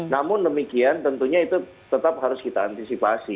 namun demikian tentunya itu tetap harus kita antisipasi